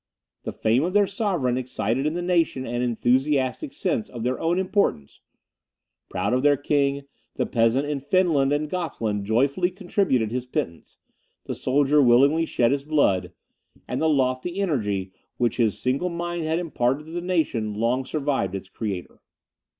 The fame of their sovereign excited in the nation an enthusiastic sense of their own importance; proud of their king, the peasant in Finland and Gothland joyfully contributed his pittance; the soldier willingly shed his blood; and the lofty energy which his single mind had imparted to the nation long survived its creator.